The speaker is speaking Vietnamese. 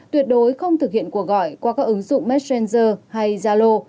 tuyệt đối không thực hiện cuộc gọi qua các ứng dụng messenger hay zalo